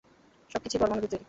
সবকিছুই পরমাণু দিয়ে তৈরি।